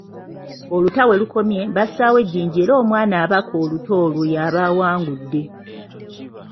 Oluta we lukomye, bassaawo ejjinja era omwana abaka oluta olwo yaaba awangudde.